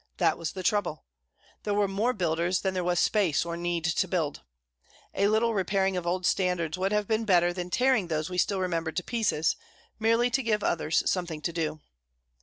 That was the trouble. There were more builders than there was space or need to build. A little repairing of old standards would have been better than tearing those we still remembered to pieces, merely to give others something to do.